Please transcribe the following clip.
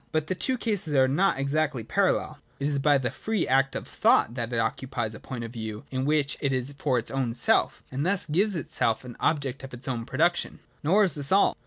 But the two cases are not exactly parallel. It is by the free act of thought that it occupies a point of view, in which it is for its own self, and thus gives itself an object of its own production. Nor is this all.